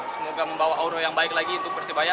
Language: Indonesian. semoga membawa auro yang baik lagi untuk persebaya